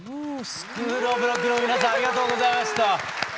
「スクールオブロック」の皆さんありがとうございました。